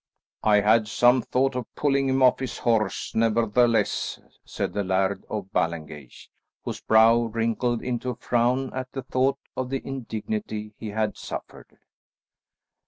"I had some thought of pulling him off his horse, nevertheless," said the Laird of Ballengeich, whose brow wrinkled into a frown at the thought of the indignity he had suffered.